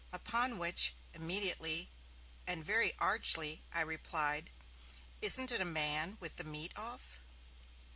Upon which, immediately and very archly, I replied, 'Isn't it a man with the meat off?'